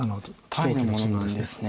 タイのものなんですね。